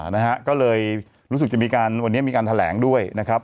นะฮะก็เลยรู้สึกจะมีการวันนี้มีการแถลงด้วยนะครับ